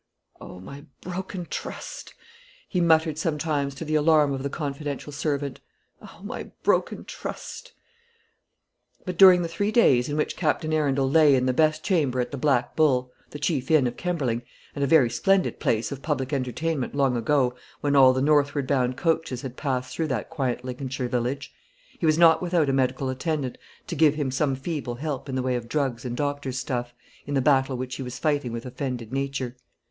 "O my broken trust!" he muttered sometimes, to the alarm of the confidential servant; "O my broken trust!" But during the three days in which Captain Arundel lay in the best chamber at the Black Bull the chief inn of Kemberling, and a very splendid place of public entertainment long ago, when all the northward bound coaches had passed through that quiet Lincolnshire village he was not without a medical attendant to give him some feeble help in the way of drugs and doctor's stuff, in the battle which he was fighting with offended Nature.